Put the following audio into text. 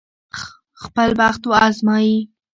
خپل بخت وازمايي.